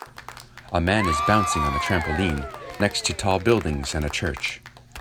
A man is bouncing on a trampoline next to tall buildings and a church.